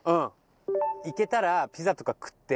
いけたらピザとか食って。